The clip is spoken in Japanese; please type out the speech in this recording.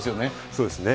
そうですね。